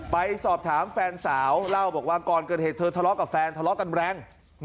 ไปสอบถามแฟนสาวเล่าบอกว่าก่อนเกิดเหตุเธอทะเลาะกับแฟนทะเลาะกันแรง